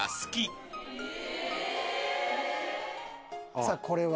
さあこれは？